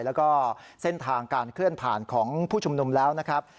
แล้วก็เส้นทางการเคลื่อนผ่านของผู้ชุมนุมแล้วนะครับ